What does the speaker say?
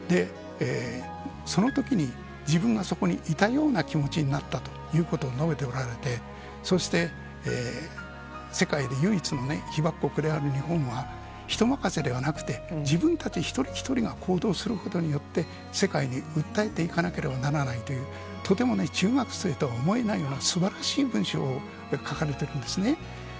そのときに、自分がそこにいたような気持になったということを述べておられて、そして世界で唯一の被爆国である日本は、人任せではなくて、自分たち一人一人が行動することによって、世界に訴えていかなければならないという、とても中学生とは思えないようなすばらしい文章を書かれてるんですね。